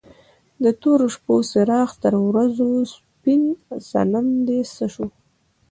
د تورو شپو څراغ تر ورځو سپین صنم دې څه شو؟